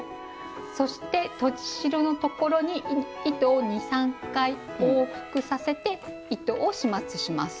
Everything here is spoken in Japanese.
そしてとじ代のところに糸を２３回往復させて糸を始末します。